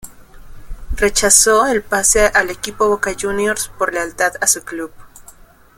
Rechazó el pase al equipo Boca Juniors por lealtad a su club.